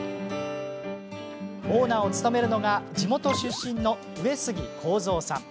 オーナーを務めるのが地元出身の上杉幸三さん。